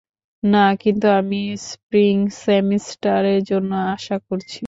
না, কিন্তু আমি স্প্রিং সেমিস্টারের জন্য আশা করছি।